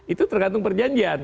itu tergantung perjanjian